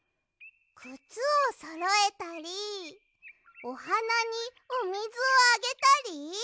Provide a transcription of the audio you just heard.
くつをそろえたりおはなにおみずをあげたり？